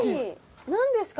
何ですか？